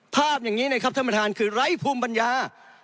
ภาพอย่างนี้นะครับท่านประธานคือไร้ภูมิปัญญา